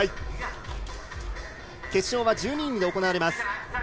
決勝は１２人で行われます。